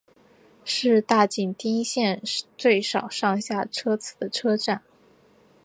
是大井町线最少上下车人次的车站。